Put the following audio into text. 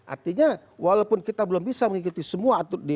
artinya walaupun kita belum bisa mengikuti semua